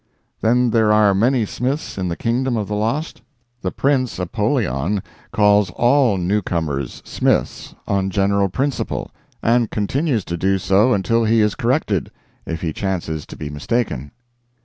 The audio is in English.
"Then there are many Smiths in the kingdom of the lost?" "The Prince Apollyon calls all newcomers Smith on general principles; and continues to do so until he is corrected, if he chances to be mistaken."